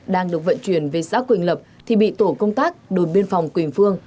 đang được vận chuyển về xã quỳnh lập thì bị tổ công tác đồn biên phòng quỳnh phương